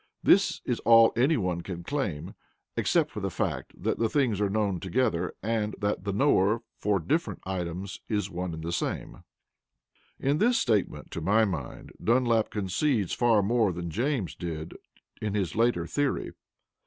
This is all any one can claim, except for the fact that the things are known together, and that the knower for the different items is one and the same" (ib.). In this statement, to my mind, Dunlap concedes far more than James did in his later theory.